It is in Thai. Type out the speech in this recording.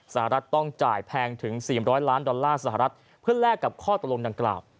รัฐต้องจ่ายแพงถึง๔๐๐ล้านดอลลาร์สหรัฐเพื่อแลกกับข้อตกลงดังกล่าว